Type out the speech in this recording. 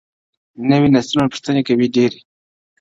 نوي نسلونه پوښتني کوي ډېر,